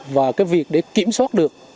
và cái việc để kiểm soát được